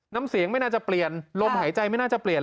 น้ำเสียงไม่น่าจะเปลี่ยนลมหายใจไม่น่าจะเปลี่ยน